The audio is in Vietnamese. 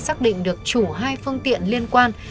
xác định được chủ hai phương tiện liên quan